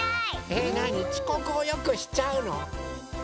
えなにちこくをよくしちゃうの？